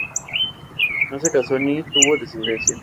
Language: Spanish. El libro fue reeditado dos veces en el año de publicación.